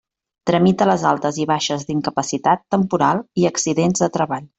Tramita les altes i baixes d'incapacitat temporal i accidentes de treball.